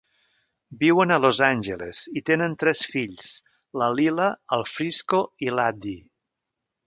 Viuen a Los Angeles i tenen tres fills: la Lila, el Frisco i l'Addie.